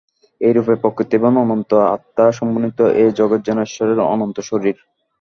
এইরূপে প্রকৃতি এবং অনন্ত-আত্মা-সমন্বিত এই জগৎ যেন ঈশ্বরের অনন্ত শরীর।